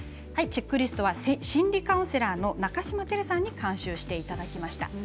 チェックリストは心理カウンセラーの中島輝さんに監修していただきました。